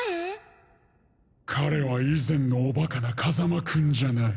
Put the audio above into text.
彼は以前のおバカな風間くんじゃない。